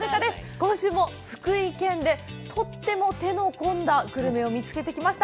今週も福井県で、とっても手の込んだグルメを見つけてきました。